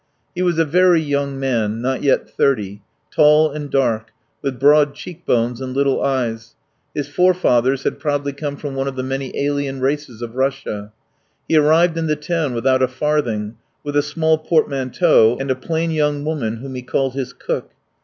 He was a very young man not yet thirty tall and dark, with broad cheek bones and little eyes; his forefathers had probably come from one of the many alien races of Russia. He arrived in the town without a farthing, with a small portmanteau, and a plain young woman whom he called his cook.